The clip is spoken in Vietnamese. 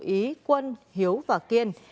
ý quân hiếu và kiên